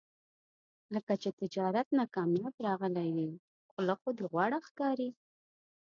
لکه چې تجارت نه کامیاب راغلی یې، خوله خو دې غوړه ښکاري.